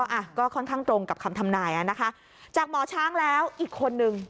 อ่ะก็ค่อนข้างตรงกับคำทำนายอ่ะนะคะจากหมอช้างแล้วอีกคนนึง